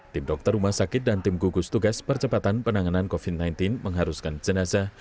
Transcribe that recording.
tim dokter rumah sakit dan tim gugus tugas percepatan penanganan covid sembilan belas mengharuskan jenazah